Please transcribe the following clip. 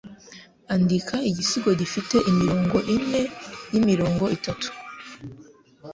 Andika igisigo gifite imirongo ine y'imirongo itatu.